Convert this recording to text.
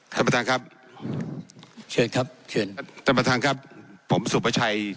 ท่านประธานครับเชิญครับเชิญท่านประธานครับผมสุประชัย